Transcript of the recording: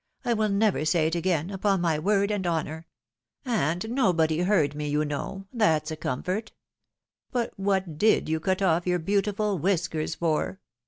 I will never say it again, upon my word and honour. And no body heard me, you know — ^that's a comfort. But what did you cut off your beautiful whiskers for